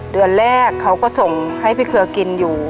เดือนแรกเขาก็ส่งให้พี่เครือกินอยู่